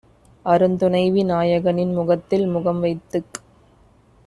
அருந்துணைவி நாயகனின் முகத்தில்முகம் வைத்துக்